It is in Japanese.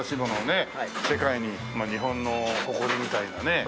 世界にまあ日本の誇りみたいなね。